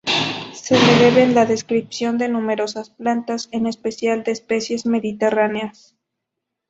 Se le deben la descripción de numerosas plantas, en especial de especies mediterráneas.